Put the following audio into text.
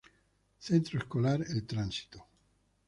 Centro Escolar El Tránsito